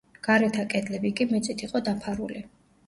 გარეთა კედლები კი მიწით იყო დაფარული.